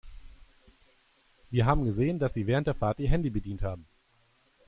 Wir haben gesehen, dass Sie während der Fahrt Ihr Handy bedient haben.